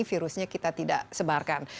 virusnya kita tidak sebarkan